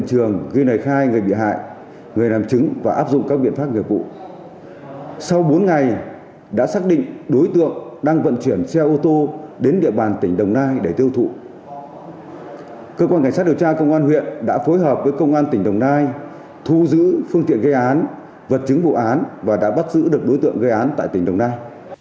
cơ quan cảnh sát điều tra công an huyện đã phối hợp với công an tỉnh đồng nai thu giữ phương tiện gây án vật chứng bộ án và đã bắt giữ được đối tượng gây án tại tỉnh đồng nai